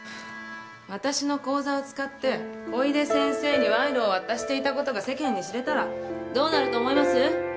私の口座を使って小出先生に賄賂を渡していた事が世間に知れたらどうなると思います？